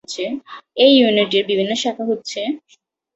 এই ইউনিটের বিভিন্ন শাখা হচ্ছেঃ